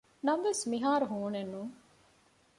ނަމަވެސް މިހާރު ހޫނެއް ނޫން